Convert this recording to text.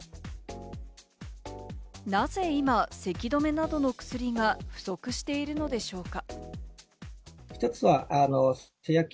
なぜ今、咳止めなどの薬が不足しているのでしょうか。